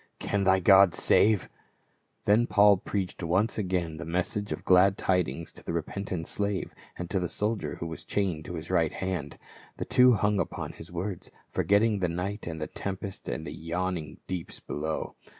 Can thy God save ?" Then Paul preached once again the message of the glad tidings to the repentant slave and to the soldier who was chained to his right hand. The two hung upon his words, forgetting the night and the tempest and the yawning deeps below.